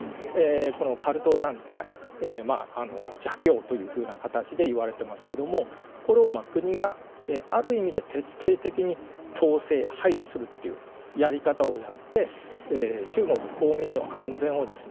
カルト団体まあ邪教というふうな形でいわれてますけどもこれを国がある意味で徹底的に統制排除するっていうやり方をやって中国公民の安全をですね